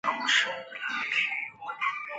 灰刻齿雀鲷为雀鲷科刻齿雀鲷属的鱼类。